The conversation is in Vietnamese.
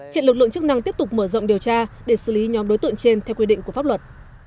hiện lực lượng chức năng tiếp tục mở rộng điều tra để xử lý nhóm đối tượng trên theo quy định của pháp luật